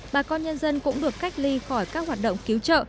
bà con nhân dân cũng được cách ly khỏi các hoạt động cứu trợ